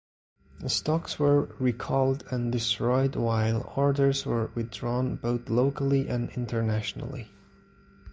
Stocks were recalled and destroyed while orders were withdrawn both locally and internationally.